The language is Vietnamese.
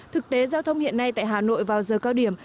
thực tế giao thông hiện nay tại hà nội vào giờ cao điểm